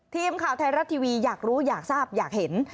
ทีมข่าวไทยรัฐทีวีอยากรู้อยากทราบอยากเห็น